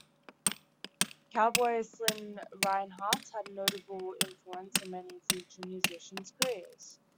Cowboy Slim Rinehart had a notable influence on many future musician's careers.